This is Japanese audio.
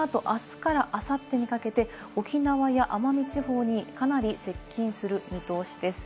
このあと、あすからあさってにかけて沖縄や奄美地方にかなり接近する見通しです。